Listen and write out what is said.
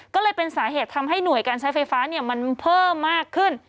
ก็เลยเป็นสาเหตุทำให้หน่วยการใช้ไฟฟ้ามันเพิ่มมากขึ้น